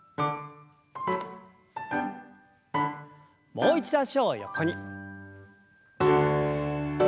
もう一度脚を横に。